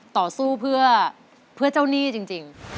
ต่อสู้เพื่อเจ้าหนี้จริง